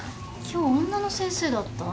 今日女の先生だった。